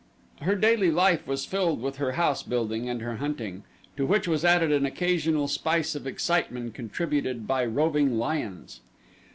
Her daily life was filled with her house building and her hunting, to which was added an occasional spice of excitement contributed by roving lions.